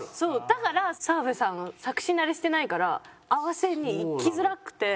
だから澤部さん作詞慣れしてないから合わせにいきづらくて。